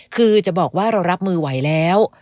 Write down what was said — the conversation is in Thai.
คือจะบอกว่าเรารับมือไหวแล้ว